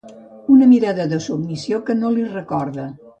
Una mirada de submissió que no li recorda.